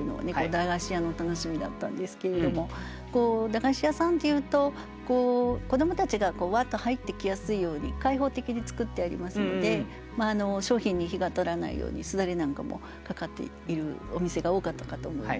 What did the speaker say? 駄菓子屋の楽しみだったんですけれども駄菓子屋さんっていうと子どもたちがわっと入ってきやすいように開放的に作ってありますので商品に日が当たらないように簾なんかも掛かっているお店が多かったかと思います。